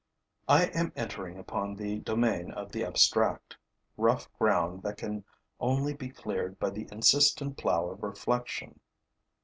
I am entering upon the domain of the abstract, rough ground that can only be cleared by the insistent plow of reflection.